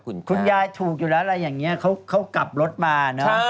คุณยายถูกอยู่แล้วอะไรอย่างนี้เขากลับรถมาเนอะ